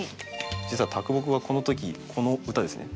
実は木はこの時この歌ですね。